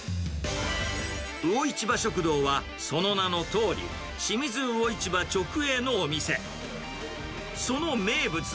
魚市場食堂は、その名のとおり、清水魚市場直営のお店。